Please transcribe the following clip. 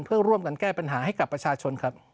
เพื่อร่วมกันแก้ปัญหาให้กับประชาชนครับ